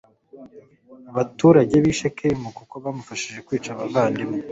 abaturage b i shekemu kuko bamufashije kwica abavandimwe